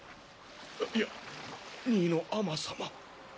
いや二位の尼様。